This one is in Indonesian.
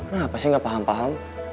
nah apa sih nggak paham paham